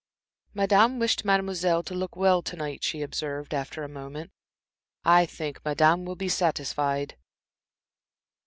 "Madame wished Mademoiselle to look well to night," she observed, after a moment. "I think Madame will be satisfied."